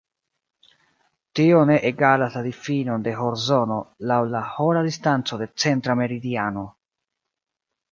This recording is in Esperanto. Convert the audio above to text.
Tio ne egalas la difinon de horzono laŭ la hora distanco de centra meridiano.